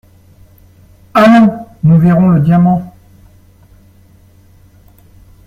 Allons ! nous verrons le diamant…